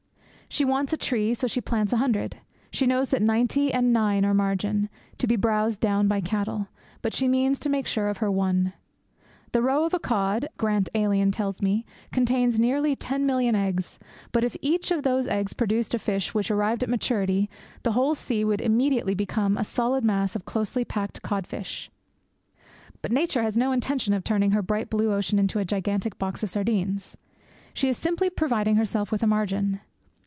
She wants a tree, so she plants a hundred. She knows that ninety and nine are margin, to be browsed down by cattle, but she means to make sure of her one. 'The roe of a cod,' Grant Alien tells me, 'contains nearly ten million eggs; but, if each of those eggs produced a young fish which arrived at maturity, the whole sea would immediately become a solid mass of closely packed cod fish.' But Nature has no intention of turning her bright blue ocean into a gigantic box of sardines; she is simply providing herself with a margin.